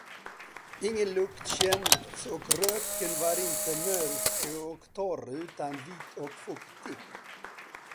Ingen lukt kändes, och röken var inte mörk och torr, utan vit och fuktig.